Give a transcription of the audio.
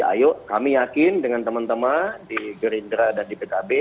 ayo kami yakin dengan teman teman di gerindra dan di pkb